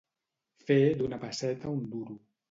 Fer d'una pesseta un duro.